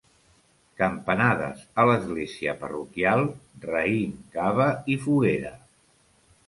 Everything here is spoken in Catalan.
Campanades a l'església parroquial, raïm cava i foguera.